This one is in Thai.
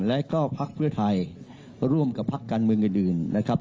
แล้วก็พักภูมิใจไทยร่วมกับพักการมือกันอื่นนะครับ